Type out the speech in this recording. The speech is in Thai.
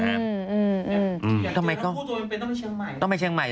อย่างนี้ถ้าพูดจริงต้องไปเชียงใหม่